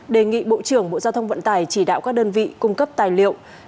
đề nghị bộ trưởng bộ giao thông vận tải chỉ đạo các đơn vị cung cấp tài liệu